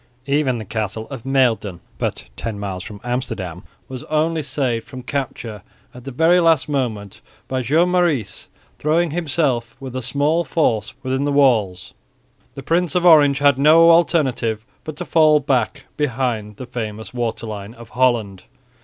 Even the castle of Muiden, but ten miles from Amsterdam, was only saved from capture at the last moment by Joan Maurice throwing himself with a small force within the walls. The Prince of Orange had no alternative but to fall back behind the famous waterline of Holland.